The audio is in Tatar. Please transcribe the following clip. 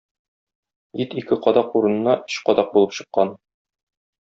Ит ике кадак урынына өч кадак булып чыккан.